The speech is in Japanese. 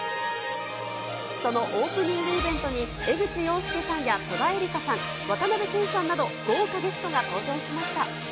そのオープニングイベントに、江口洋介さんや戸田恵梨香さん、渡辺謙さんなど、豪華ゲストが登場しました。